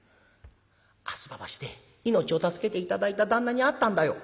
「吾妻橋で命を助けて頂いた旦那に会ったんだよ」。